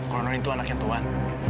kalau nur itu anaknya tuhan